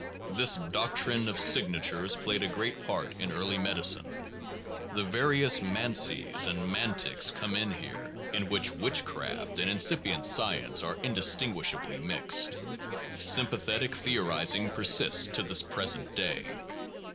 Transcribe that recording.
This doctrine of signatures played a great part in early medicine. The various mancies and mantics come in here, in which witchcraft and incipient science are indistinguishably mixed. Sympathetic the orizing persists to the present day.